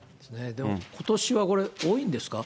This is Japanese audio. でもことしはこれ、多いんですか。